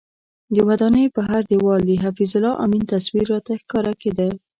د ودانۍ پر هر دیوال د حفیظ الله امین تصویر راته ښکاره کېده.